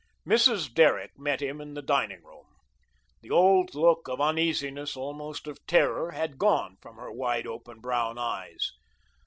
Mrs. Derrick met him in the dining room. The old look of uneasiness, almost of terror, had gone from her wide open brown eyes.